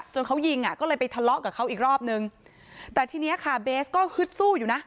เขายิงอ่ะก็เลยไปทะเลาะกับเขาอีกรอบนึงแต่ทีเนี้ยค่ะเบสก็ฮึดสู้อยู่นะ